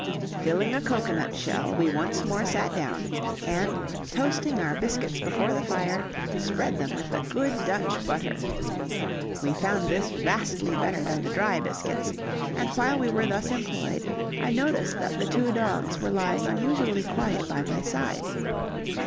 Filling a cocoanut shell, we once more sat down, and toasting our biscuits before the fire, spread them with the good Dutch butter. We found this vastly better than the dry biscuits, and while we were thus employed I noticed that the two dogs were lying unusually quiet by my side.